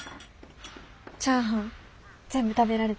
チャーハン全部食べられたんだね。